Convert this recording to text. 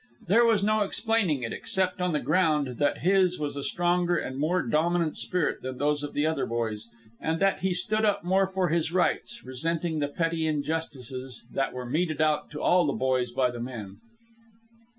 There was no explaining it, except on the ground that his was a stronger and more dominant spirit than those of the other boys, and that he stood up more for his rights, resenting the petty injustices that were meted out to all the boys by the men.